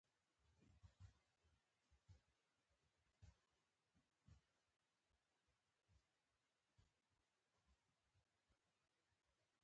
د نجونو تعلیم فحشا ګڼي او هېواد زر کاله شاته بیایي.